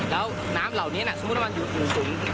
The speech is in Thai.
แล้วน้ำเหล่านี้นะสมมติว่ามันอยู่ถูกฝุม